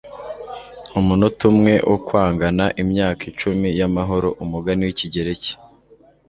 umunota umwe wo kwihangana, imyaka icumi y'amahoro. - umugani w'ikigereki